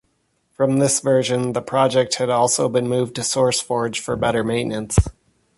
From this version, the project has also been moved to SourceForge for better maintenance.